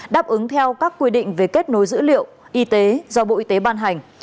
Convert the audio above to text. đáp ứng theo các quy định về kết nối dữ liệu y tế do bộ y tế ban hành